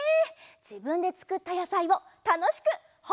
じぶんでつくったやさいをたのしく「ホ・レッ！」